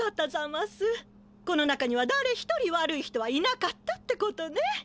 この中にはだれひとり悪い人はいなかったってことね。